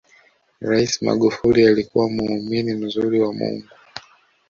rais magufuli alikuwa muumini mzuri wa mungu